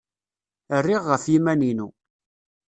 Rriɣ ɣef yiman-inu.